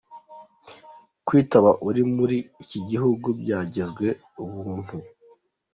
Kwitaba uri muri iki gihugu byagizwe ubuntu.